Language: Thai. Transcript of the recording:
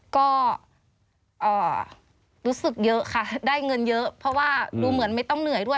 ก็รู้สึกเยอะค่ะได้เงินเยอะเพราะว่าดูเหมือนไม่ต้องเหนื่อยด้วย